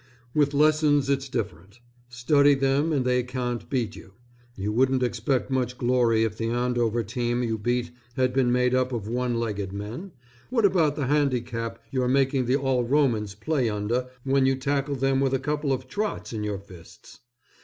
With lessons it's different. Study them and they can't beat you. You wouldn't expect much glory if the Andover team you beat had been made up of one legged men. What about the handicap you're making the All Romans play under when you tackle them with a couple of "trots" in your fists.